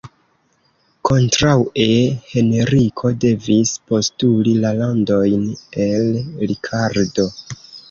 Kontraŭe, Henriko devis postuli la landojn el Rikardo.